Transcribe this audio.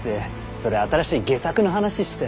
それ新しい戯作の話してね？